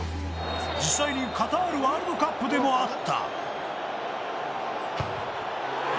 実際にカタールワールドカップでもあった